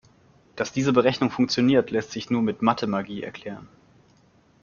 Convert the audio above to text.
Dass diese Berechnung funktioniert, lässt sich nur mit Mathemagie erklären.